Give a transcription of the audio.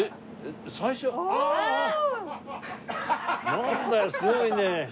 なんだよすごいね。